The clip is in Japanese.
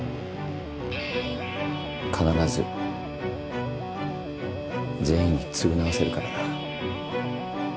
必ず全員に償わせるからな。